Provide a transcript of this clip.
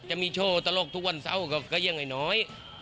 จะมีโชว์ตลกทุกวันเสาร์ก็ยังไอ้น้อย